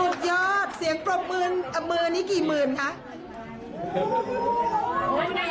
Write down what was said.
ขอเสียงปรบมือดังกับพี่ชายเจ้าข้าวด้วยนะคะ